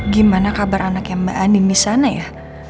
gimana kabar anaknya mbak anin di sana ya